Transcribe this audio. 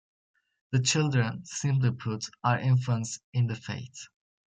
The Children, simply put, are infants in the faith.